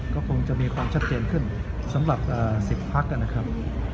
ก็คงจะมีความชัดเจนขึ้นสำหรับ๑๐พักนะครับ